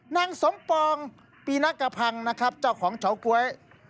นางสมปองปีนักกระพังนะครับเจ้าของเฉาก๊วย